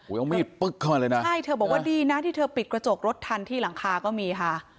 ใช่เธอบอกดีนะที่เธอปิดกระจกรถทันที่หลังคาก็มีค่ะ